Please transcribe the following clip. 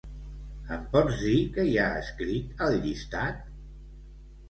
Em pots dir què hi ha escrit al llistat?